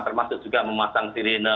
termasuk juga memasang